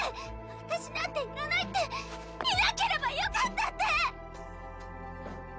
私なんていらないっていなければよかったって！